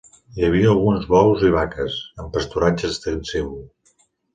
Hi havia alguns bous i vaques en pasturatge extensiu.